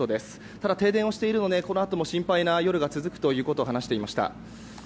ただ停電をしているのでこのあとも心配な夜が続くということを話していました。